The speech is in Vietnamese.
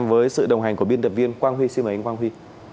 với sự đồng hành của biên tập viên quang huy